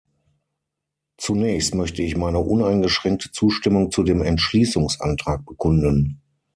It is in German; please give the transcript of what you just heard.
Zunächst möchte ich meine uneingeschränkte Zustimmung zu dem Entschließungsantrag bekunden.